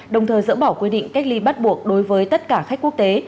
đồng thời dỡ bỏ quy định cách ly bắt buộc đối với tất cả khách quốc tế